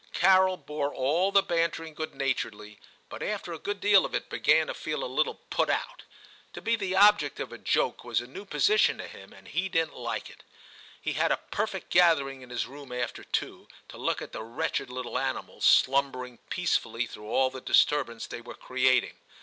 Carol bore all the bantering good naturedly, but after a good deal of it began to feel a little put out. To be the object of a joke was a new position to him, and he didn't like it. He had a perfect gathering in his room after two, to look at the wretched little animals, slumbering peacefully through all the disturbance they were creating.